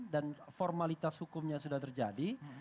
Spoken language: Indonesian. dan formalitas hukumnya sudah terjadi